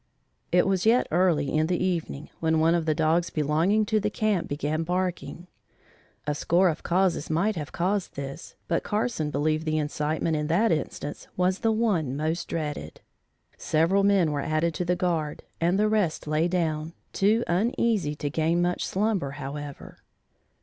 It was yet early in the evening when one of the dogs belonging to the camp began barking. A score of causes might have caused this but Carson believed the incitement in that instance was the one most dreaded. Several men were added to the guard and the rest lay down, too uneasy to gain much slumber, however.